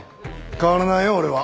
変わらないよ俺は。